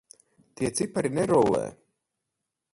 Tie cipari nerullē.